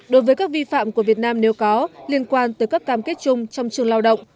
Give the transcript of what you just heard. đối với các vi phạm của việt nam nếu có liên quan tới các cam kết chung trong trường lao động